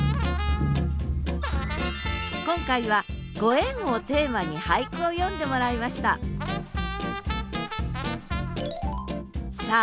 今回は「ご縁」をテーマに俳句を詠んでもらいましたさあ